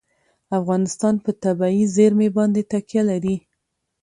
افغانستان په طبیعي زیرمې باندې تکیه لري.